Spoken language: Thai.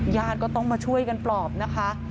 ญาติก็ต้องมาช่วยกันปลอบนะคะ